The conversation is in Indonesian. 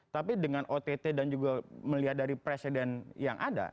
tapi dengan ott dan juga melihat dari presiden yang ada